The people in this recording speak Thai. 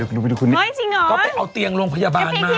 พี่พูดกับน้องมุบร้านนี้เหมือนน้องเคยไปถ่ายละคร